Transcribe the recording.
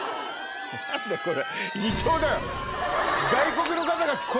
何だこれ。